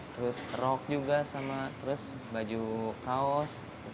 terus rok juga sama terus baju kaos